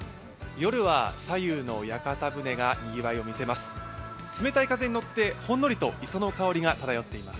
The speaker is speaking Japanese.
夜は左右の屋形船がにぎわいを見せます。